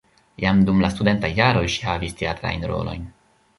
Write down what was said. Jam dum la studentaj jaroj ŝi havis teatrajn rolojn.